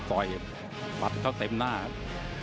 ใจมันเข้าเต็มหน้าครับ